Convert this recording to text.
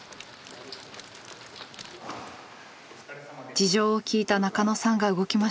事情を聞いた中野さんが動きました。